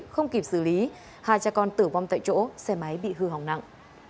không kịp xử lý hai cha con tử vong tại chỗ xe máy bị hư hỏng nặng